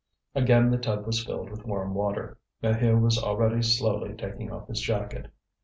Again the tub was filled with warm water. Maheu was already slowly taking off his jacket.